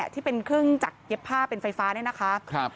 ที่เป็นเครื่องจักรเย็บผ้าเป็นไฟฟ้าเนี่ยนะคะ